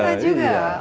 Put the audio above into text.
oh gurita juga